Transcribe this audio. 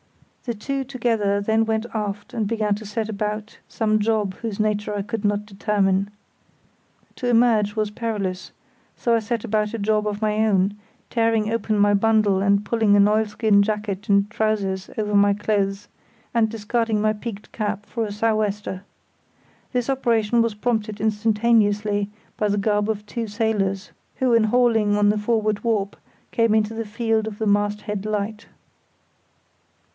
The two together then went aft and began to set about some job whose nature I could not determine. To emerge was perilous, so I set about a job of my own, tearing open my bundle and pulling an oilskin jacket and trousers over my clothes, and discarding my peaked cap for a sou' wester. This operation was prompted instantaneously by the garb of two sailors, who in hauling on the forward warp came into the field of the mast head light.